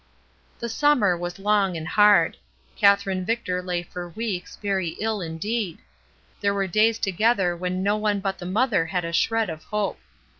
The summer was long and hard. Katherine Victor lay for weeks very ill indeed; there were days together when no one but the mother had a shred of hope.